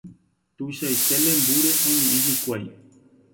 tuichaite lembúre oñe'ẽ hikuái